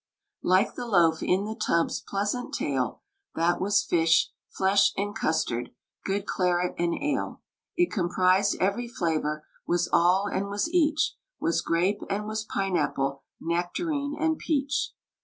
Like the loaf in the Tub's pleasant tale, That was fish, flesh, and custard, good claret and ale, It comprised every flavor, was all and was each, Was grape and was pineapple, nectarine and peach.